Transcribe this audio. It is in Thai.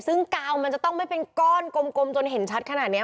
ซึ่งกาวมันจะต้องไม่เป็นก้อนกลมจนเห็นชัดขนาดนี้